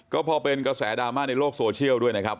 ก็พอเป็นกระแสดราม่าในโลกโซเชียลด้วยนะครับ